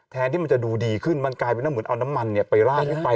แทนที่มันจะดูดีขึ้นมันกลายเป็นเหมือนเอาน้ำมันไปรากไป